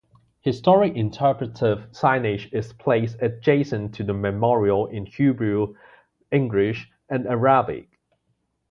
Historic interpretive signage is placed adjacent to the memorial in Hebrew, English and Arabic.